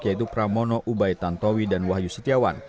yaitu pramono ubaetan tawi dan wahyu setiawan